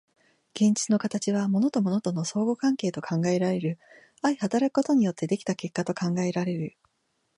現実の形は物と物との相互関係と考えられる、相働くことによって出来た結果と考えられる。